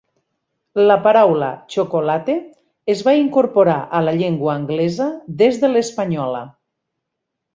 La paraula "chocolate" es va incorporar a la llengua anglesa des de l'espanyola.